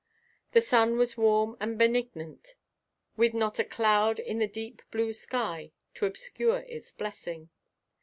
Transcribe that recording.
The sun was warm and benignant, with not a cloud in the deep blue sky to obscure its blessing.